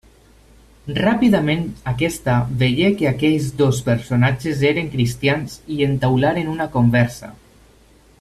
Ràpidament, aquesta veié que aquells dos personatges eren cristians i entaularen una conversa.